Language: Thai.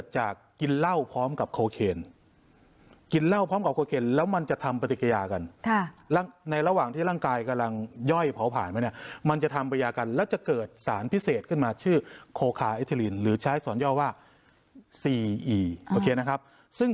จะเป็นสารที่เกิดจากกินเหล้าพร้อมกับโคเคน